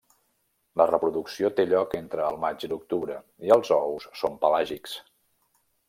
La reproducció té lloc entre el maig i l'octubre, i els ous són pelàgics.